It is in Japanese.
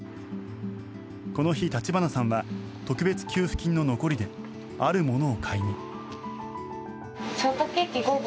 この日、橘さんは特別給付金の残りであるものを買いに。